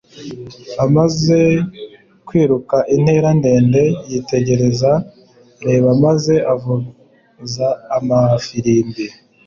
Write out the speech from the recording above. Amaze kwiruka intera ndende yitegereza Reba maze avuza amafirimbi